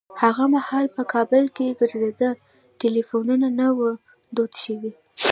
هغه مهال په کابل کې ګرځنده ټليفونونه نه وو دود شوي.